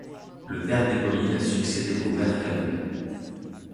Le verre dépoli a succédé au verre cannelé.